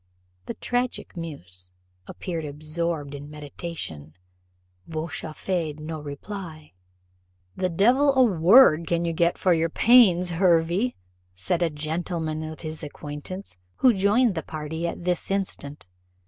The tragic muse, apparently absorbed in meditation, vouchsafed no reply. "The devil a word can you get for your pains, Hervey," said a gentleman of his acquaintance, who joined the party at this instant.